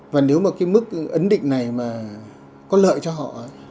và nếu mà cái mức ấn định này mà có lợi cho họ